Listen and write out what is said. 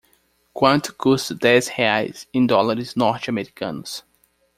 quanto custa dez reais em dólares norte americanos